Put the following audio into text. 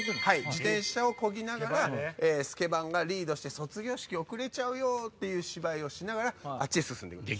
自転車をこぎながらスケバンがリードして卒業式遅れちゃうよっていう芝居をしながらあっちへ進んでいきます。